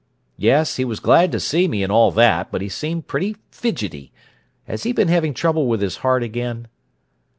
"Yes. He was glad to see me, and all that, but he seemed pretty fidgety. Has he been having trouble with his heart again?"